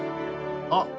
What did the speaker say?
あっ。